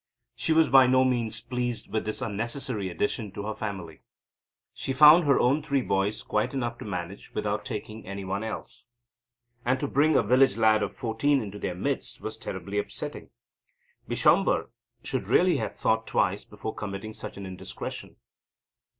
She was by no means pleased with this unnecessary addition to her family. She found her own three boys quite enough to manage without taking any one else. And to bring a village lad of fourteen into their midst was terribly upsetting. Bishamber should really have thought twice before committing such an indiscretion.